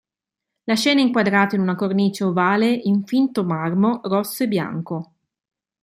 La scena è inquadrata in una cornice ovale in finto-marmo rosso e bianco.